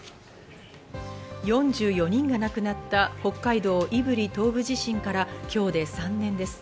４４人が亡くなった北海道胆振東部地震から今日で３年です。